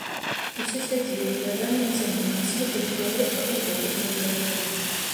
Усе сядзелі, ляжалі на зямлі, слухалі чалавека ў бобрыкавым паліто.